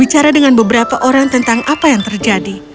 bicara dengan beberapa orang tentang apa yang terjadi